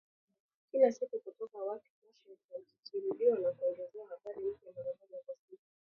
kila siku kutoka Washington, kikirudiwa na kuongezewa habari mpya, mara moja kwa siku